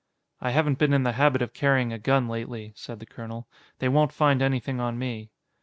"I haven't been in the habit of carrying a gun lately," said the colonel. "They won't find anything on me."